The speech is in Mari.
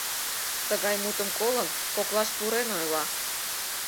Тыгай мутым колын, коклаш пурен ойла: